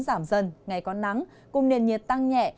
giảm dần ngày có nắng cùng nền nhiệt tăng nhẹ